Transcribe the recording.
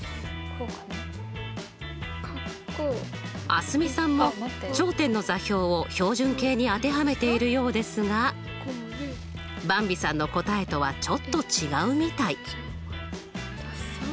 蒼澄さんも頂点の座標を標準形に当てはめているようですがばんびさんの答えとはちょっと違うみたい。